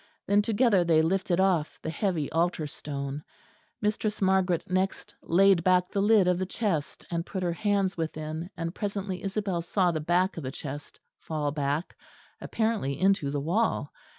Then together they lifted off the heavy altar stone. Mistress Margaret next laid back the lid of the chest; and put her hands within, and presently Isabel saw the back of the chest fall back, apparently into the wall.